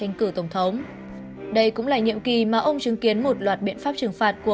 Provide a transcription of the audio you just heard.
tranh cử tổng thống đây cũng là nhiệm kỳ mà ông chứng kiến một loạt biện pháp trừng phạt của